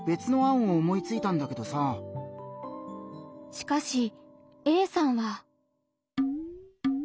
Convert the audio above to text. しかしＡさんは。